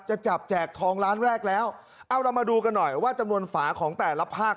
จะจับแจกทองล้านแรกแล้วเอาเรามาดูกันหน่อยว่าจำนวนฝาของแต่ละภาค